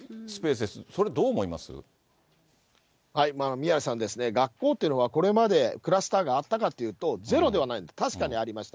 宮根さんですね、学校というのは、これまでクラスターがあったかっていうと、ゼロではないんです、確かにありました。